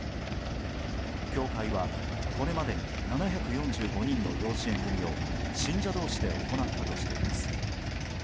教会はこれまでに７４５人の養子縁組を信者同士で行ったとしています。